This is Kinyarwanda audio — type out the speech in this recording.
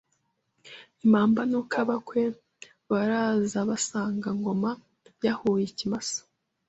impamba Nuko abakwe barazabasanga Ngoma yahuye ikimasa